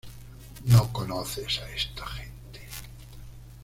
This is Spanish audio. No conoces a esta gente.